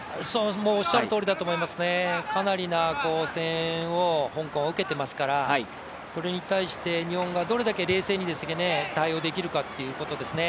おっしゃるとおりだと思いますね、かなりの声援を、香港は受けていますから、そこに対して日本がどれだけ冷静に対応できるかということですね。